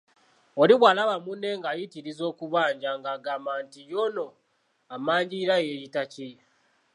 Oli bwalaba munne ngayitirizza okubanja ng'agamba nti ye ono ammanjirira yeeyita ki?